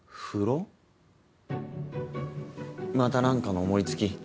またなんかの思いつき？